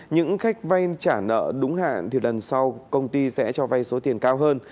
những khách vay trả nợ đúng hạn thì lần sau công ty sẽ cho vay số tiền cao hơn